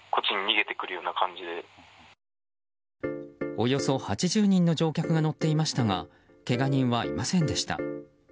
およそ８０人の乗客が乗っていましたがけが人はいませんでした。